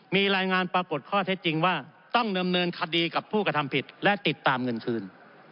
มีรายงานปรากฏข้อเท็จจริงว่าต้องดำเนินคดีกับผู้กระทำผิดและติดตามเงินคืน